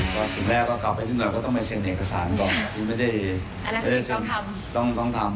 ก็คือแรกก็ขับไปที่หน่อยก็ต้องไปเซ็นเอกสารก่อนไม่ได้ไม่ได้เซ็นต้องต้องทำ